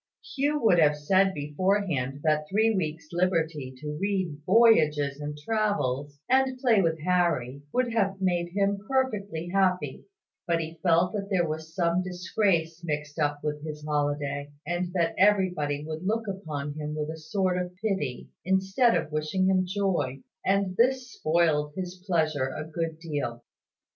Hugh would have said beforehand that three weeks' liberty to read voyages and travels, and play with Harry, would have made him perfectly happy; but he felt that there was some disgrace mixed up with his holiday, and that everybody would look upon him with a sort of pity, instead of wishing him joy; and this spoiled his pleasure a good deal.